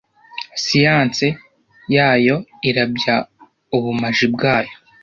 siyanse yayo irabya ubumaji bwayo